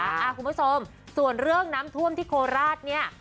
คุณผู้ชมส่วนเรื่องน้ำท่วมที่โคราชเนี่ย